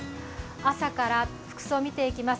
朝から服装を見ていきます。